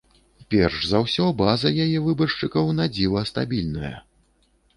Перш за ўсё, база яе выбаршчыкаў на дзіва стабільная.